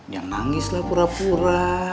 yang nangis lah pura pura